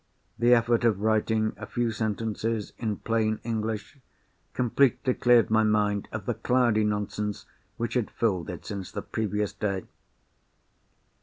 The effort of writing a few sentences, in plain English, completely cleared my mind of the cloudy nonsense which had filled it since the previous day.